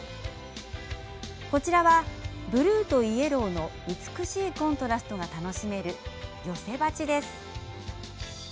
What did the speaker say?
こちらはブルーとイエローの美しいコントラストが楽しめる寄せ鉢です。